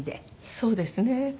そうですね。